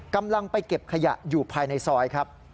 กำลังไปเก็บขยะอยู่ภายในซอยครับ